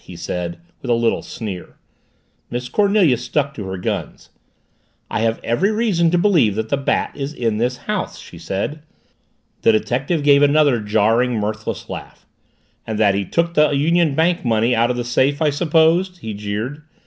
he said, with a little sneer, Miss Cornelia stuck to her guns. "I have every reason to believe that the Bat is in this house," she said. The detective gave another jarring, mirthless laugh. "And that he took the Union Bank money out of the safe, I suppose?" he jeered.